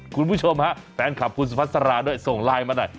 คุณผู้ชมฮะแฟนคลับคุณสุพัสราด้วยส่งไลน์มาหน่อย